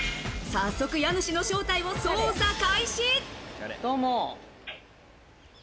早速家主の正体を捜査開始。